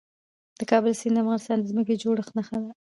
د کابل سیند د افغانستان د ځمکې د جوړښت نښه ده.